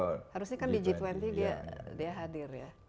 harusnya kan di g dua puluh dia hadir ya